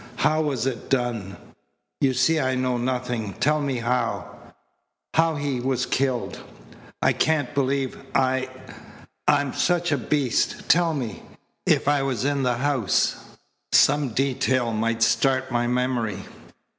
How was it done? You see I know nothing. Tell me how how he was killed. I can't believe I I'm such a beast. Tell me. If I was in the house, some detail might start my memory."